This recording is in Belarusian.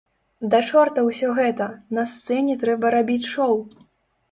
Да чорта ўсё гэта, на сцэне трэба рабіць шоў!